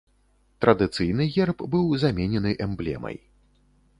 Традыцыйны герб быў заменены эмблемай.